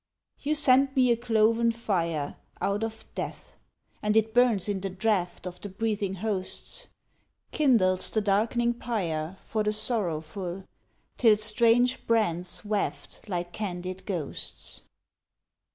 You sent me a cloven fire Out of death, and it burns in the draught Of the breathing hosts, Kindles the darkening pyre For the sorrowful, till strange brands waft Like candid ghosts.